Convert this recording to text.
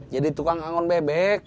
jadi tukang anggon bebek